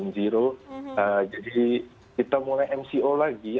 jadi kita mulai mco lagi